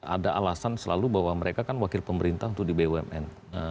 ada alasan selalu bahwa mereka kan wakil pemerintah untuk di bumn